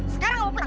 sekarang mau pulang